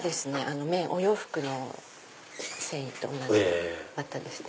お洋服の繊維と同じワタですね